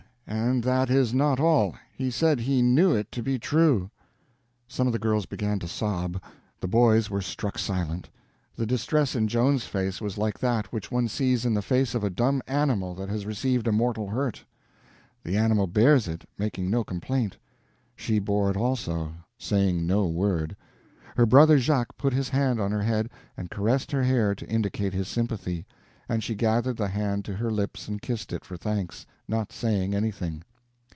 And that is not all. He said he knew it to be true." Some of the girls began to sob; the boys were struck silent. The distress in Joan's face was like that which one sees in the face of a dumb animal that has received a mortal hurt. The animal bears it, making no complaint; she bore it also, saying no word. Her brother Jacques put his hand on her head and caressed her hair to indicate his sympathy, and she gathered the hand to her lips and kissed it for thanks, not saying anything.